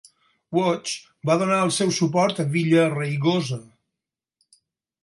Wachs va donar el seu suport a Villaraigosa.